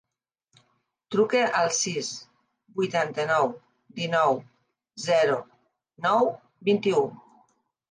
Truca al sis, vuitanta-nou, dinou, zero, nou, vint-i-u.